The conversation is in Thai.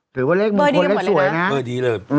เบื้อดีกันหมดเลยนะ